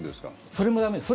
それも駄目です。